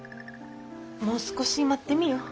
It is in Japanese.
もう少し待ってみよう。